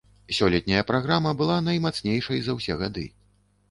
Сёлетняя праграма была наймацнейшай за ўсе гады.